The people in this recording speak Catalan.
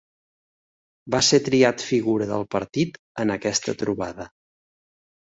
Va ser triat figura del partit en aquesta trobada.